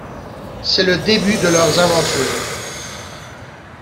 C'est le début de leurs aventures.